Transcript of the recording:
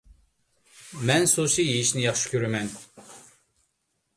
مەن سۇشى يېيىشنى ياخشى كۆرىمەن.